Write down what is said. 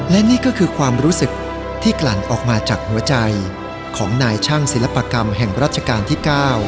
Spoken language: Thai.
และนี่ก็คือความรู้สึกที่กลั่นออกมาจากหัวใจของนายช่างศิลปกรรมแห่งรัชกาลที่๙